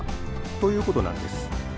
ということなんです。